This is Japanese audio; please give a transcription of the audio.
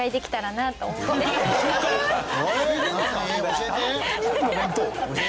教えて。